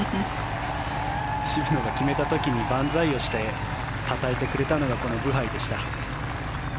渋野が決めた時に万歳をしてたたえてくれたのがこのブハイでした。